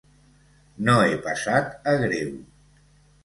No he passat a greu.